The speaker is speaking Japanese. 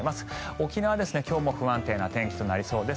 沖縄は今日も不安定な天気となりそうです。